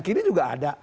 ini juga ada